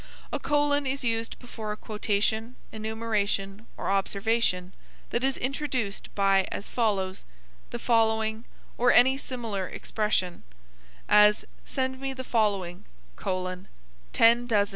A colon is used before a quotation, enumeration, or observation, that is introduced by as follows, the following, or any similar expression; as, Send me the following: 10 doz.